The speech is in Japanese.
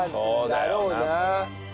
だろうな。